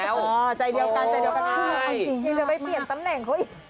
ใจเดียวกันคุณยังไม่เปลี่ยนตำแหน่งเขาอีก